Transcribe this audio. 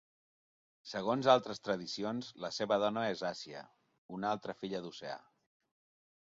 Segons altres tradicions, la seva dona és Àsia, una altra filla d'Oceà.